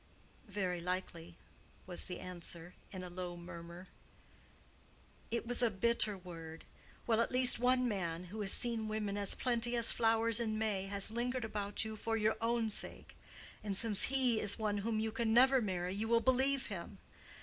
"Very likely," was the answer, in a low murmur. "It was a bitter word. Well, at least one man who has seen women as plenty as flowers in May has lingered about you for your own sake. And since he is one whom you can never marry, you will believe him.